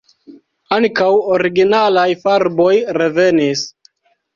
Ankaŭ originalaj farboj revenis.